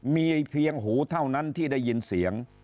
มีเพียงหูเท่านั้นที่ได้ยินเสียง